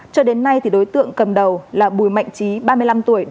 cho đến nay đối tượng cầm đầu là bùi mạnh trí ba mươi năm tuổi